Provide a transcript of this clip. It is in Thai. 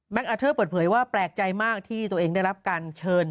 อาเทอร์เปิดเผยว่าแปลกใจมากที่ตัวเองได้รับการเชิญ